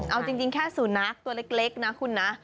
เอาจริงแค่สูนักตัวเล็กนะคุณนะ